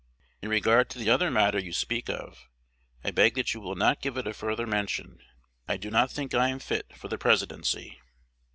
In regard to the other matter you speak of, I beg that you will not give it a further mention. I do not think I am fit for the Presidency."